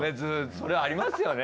そりゃありますよね。